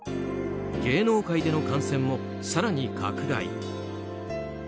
芸能界での感染も更に拡大。